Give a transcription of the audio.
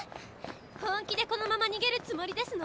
本気でこのまま逃げるつもりですの？